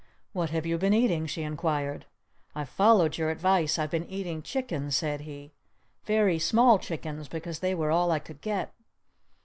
"What have you been eating?" she inquired. "I've followed your advice. I've been eating chickens," said he—"very small chickens, because they were all I could get."